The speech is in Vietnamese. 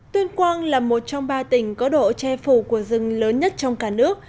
tuyên quang là một trong ba tỉnh có độ che phủ của rừng lớn nhất trong cả nước